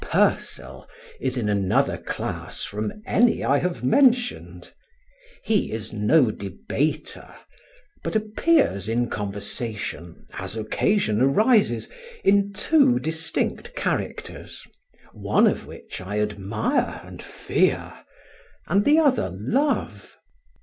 Purcel is in another class from any I have mentioned. He is no debater, but appears in conversation, as occasion rises, in two distinct characters, one of which I admire and fear, and the other love.